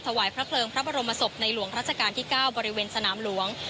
ถวายพระเพลิงพระบรมศพในหลวงราชการที่๙บริเวณสนามหลวง